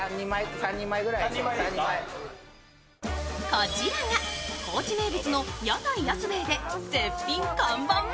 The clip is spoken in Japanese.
こちらが高知名物の屋台安兵衛で絶品餃子。